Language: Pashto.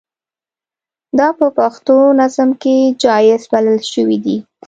دا په پښتو نظم کې جائز بلل شوي دي.